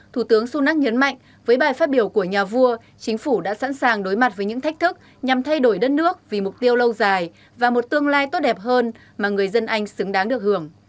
thủ tướng sunak nhấn mạnh với bài phát biểu của nhà vua chính phủ đã sẵn sàng đối mặt với những thách thức nhằm thay đổi đất nước vì mục tiêu lâu dài và một tương lai tốt đẹp hơn mà người dân anh xứng đáng được hưởng